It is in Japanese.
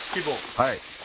はい。